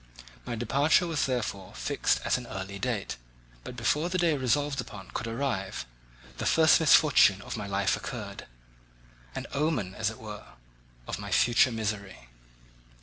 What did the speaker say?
My departure was therefore fixed at an early date, but before the day resolved upon could arrive, the first misfortune of my life occurred—an omen, as it were, of my future misery.